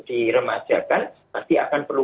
diremajakan pasti akan perlu